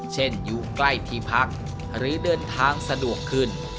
อยู่ใกล้ที่พักหรือเดินทางสะดวกขึ้น